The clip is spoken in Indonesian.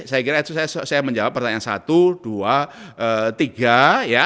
saya kira itu saya menjawab pertanyaan satu dua tiga ya